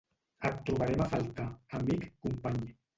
Et trobarem a faltar, amic, company.